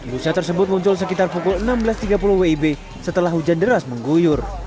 busa tersebut muncul sekitar pukul enam belas tiga puluh wib setelah hujan deras mengguyur